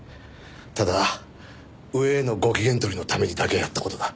ただ上へのご機嫌取りのためにだけやった事だ。